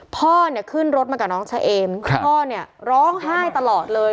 พ่อขึ้นรถมากับน้องเชอมพ่อร้องไห้ตลอดเลย